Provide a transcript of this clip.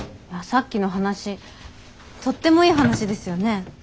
さっきの話とってもいい話ですよね？